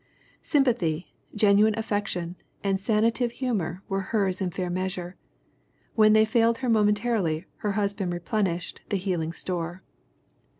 Sympathy, genuine affection and sanative humor were hers in fair measure; when they failed her momen tarily her husband replenished the healing store.